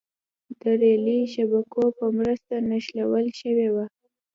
د رېلي شبکو په مرسته نښلول شوې وه.